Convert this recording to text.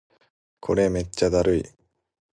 これめっちゃだるい